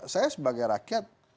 saya sebagai rakyat